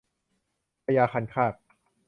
พญาคันคาก